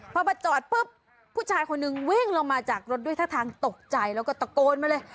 พอมาจอดปุ๊บผู้ชายคนหนึ่งวิ่งลงมาจากรถด้วยท่าทางตกใจแล้วก็ตะโกนมาเลย